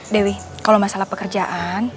dewi kalo masalah pekerjaan